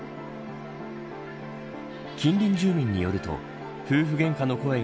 近隣住民によると夫婦げんかの声が